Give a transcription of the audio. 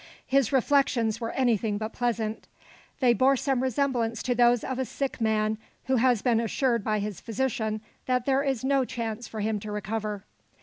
His reflections were anything but pleasant. They bore some resemblance to those of a sick man, who has been assured by his physician that there is No chance for him to recover.